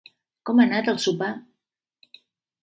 Com ha anat el sopar?